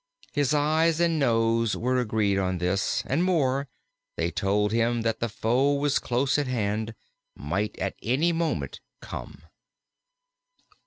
His eyes and nose were agreed on this; and more, they told him that the foe was close at hand, might at any moment come.